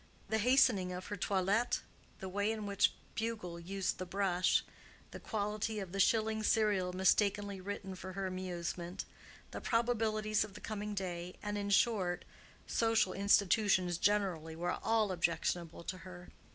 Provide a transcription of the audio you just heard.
The hastening of her toilet, the way in which Bugle used the brush, the quality of the shilling serial mistakenly written for her amusement, the probabilities of the coming day, and, in short, social institutions generally, were all objectionable to her.